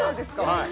はい。